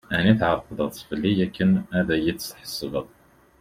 Ɛni tεeqdeḍ-t fell-i akken ad yi-d-tḥesbeḍ?